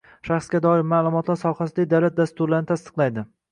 shaxsga doir ma’lumotlar sohasidagi davlat dasturlarini tasdiqlaydi;